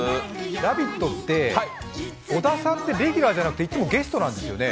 「ラヴィット！」って小田さんてレギュラーじゃなくて、いつもゲストなんですよね。